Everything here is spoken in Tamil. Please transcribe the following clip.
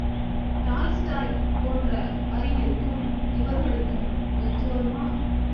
டால்ஸ்டாய் போன்ற அறிஞருக்கும் இவர்களுக்கும் ஒத்துவருமா?